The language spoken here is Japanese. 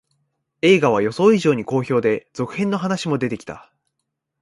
映画は予想以上に好評で、続編の話も出てきた